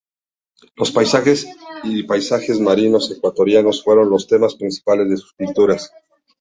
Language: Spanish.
Los paisajes y paisajes marinos ecuatorianos fueron los temas principales de sus pinturas.